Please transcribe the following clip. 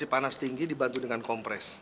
panas tinggi dibantu dengan kompres